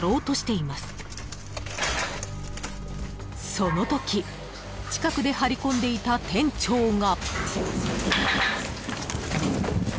［そのとき近くで張り込んでいた店長が］